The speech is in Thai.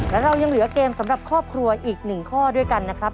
และเรายังเหลือเกมสำหรับครอบครัวอีก๑ข้อด้วยกันนะครับ